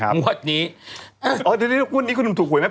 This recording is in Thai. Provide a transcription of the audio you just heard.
พูดนี้มีคนคุ้มถูกหวัยไหม